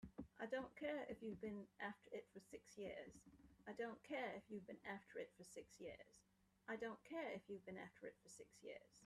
I don't care if you've been after it for six years!